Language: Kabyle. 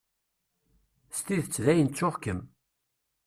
S tidet dayen ttuɣ-kem.